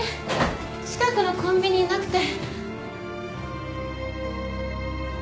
近くのコンビニになくて。